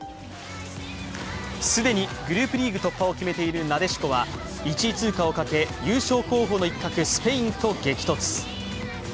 既にグループリーグ突破を決めているなでしこは、１位通過をかけ優勝候補の一角、スペインと激突。